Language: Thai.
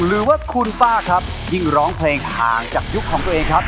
หรือว่าคุณป้าครับยิ่งร้องเพลงห่างจากยุคของตัวเองครับ